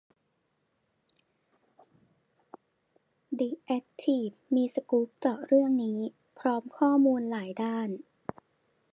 เดอะแอคทีฟมีสกู๊ปเจาะเรื่องนี้ พร้อมข้อมูลหลายด้าน